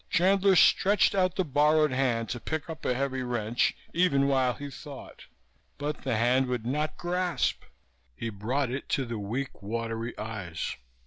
Chandler stretched out the borrowed hand to pick up a heavy wrench even while he thought. But the hand would not grasp. He brought it to the weak, watering eyes.